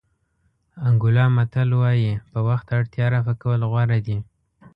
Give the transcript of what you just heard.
انګولا متل وایي په وخت اړتیا رفع کول غوره دي.